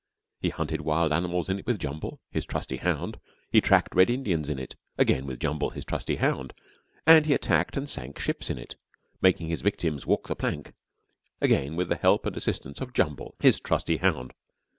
He hunted wild animals in it with Jumble, his trusty hound; he tracked Red Indians in it, again with Jumble, his trusty hound; and he attacked and sank ships in it, making his victims walk the plank, again with the help and assistance of Jumble, his trusty hound.